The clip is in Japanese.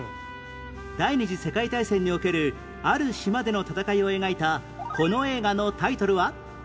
第二次世界大戦におけるある島での戦いを描いたこの映画のタイトルは？